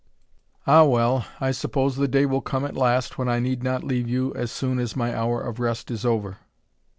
Ah, well; I suppose the day will come at last when I need not leave you as soon as my hour of rest is over."